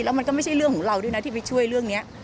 แล้วมันก็ไม่ใช่เรื่องของเราด้วยนะที่ไปช่วยเรื่องนี้